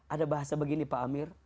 ada bahasa begini pak amir